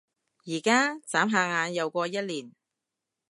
而家？眨下眼又過一年